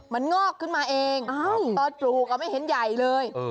มันงอกขึ้นมาเองตอนปลูกไม่เห็นใหญ่เลย